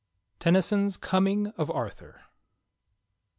Tennyson's "Coming of Arthur."